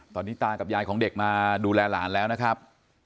ตอนนี้ตากับยายของเด็กมาดูแลหลานแล้วนะครับ